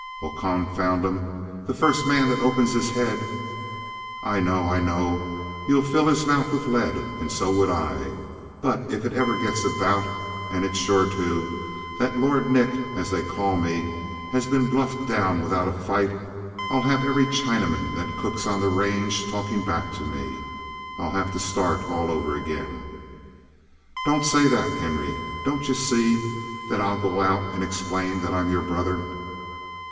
"Why, confound 'em, the first man that opens his head " "I know, I know. You'd fill his mouth with lead, and so would I. But if it ever gets about as it's sure to that Lord, Nick, as they call me, has been bluffed down without a fight, I'll have every Chinaman that cooks on the range talking back to me. I'll have to start all over again." "Don't say that, Henry. Don't you see that I'll go out and explain that I'm your brother?"